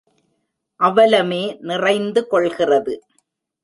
அவலமே நிறைந்து கொள்கிறது.